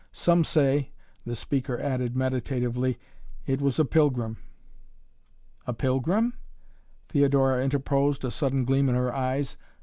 Some say," the speaker added meditatively, "it was a pilgrim " "A pilgrim?" Theodora interposed, a sudden gleam in her eyes.